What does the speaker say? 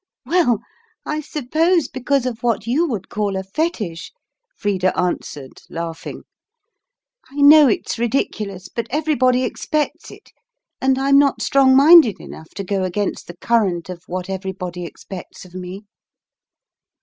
"Well, I suppose because of what you would call a fetich," Frida answered laughing. "I know it's ridiculous. But everybody expects it, and I'm not strong minded enough to go against the current of what everybody expects of me."